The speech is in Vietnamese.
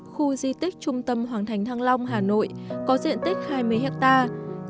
khu di tích trung tâm hoàng thành thăng long hà nội có diện tích hai mươi hectare